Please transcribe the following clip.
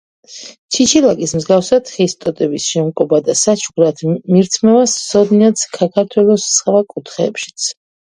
ჩიჩილაკის მსგავსად ხის ტოტების შემკობა და საჩუქრად მირთმევა სცოდნიათ საქართველოს სხვა კუთხეებშიც.